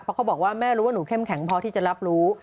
เพราะเขาบอกว่าแม่รู้ว่าหนูเข้มแข็งพอที่จะรับรู้